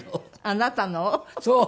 あなたのを？